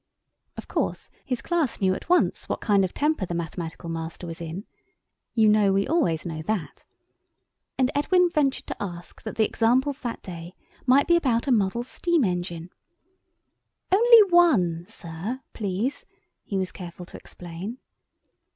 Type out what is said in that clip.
Of course his class knew at once what kind of temper the Mathematical Master was in—you know we always know that—and Edwin ventured to ask that the examples that day might be about a model steam engine. "Only one, sir, please," he was careful to explain.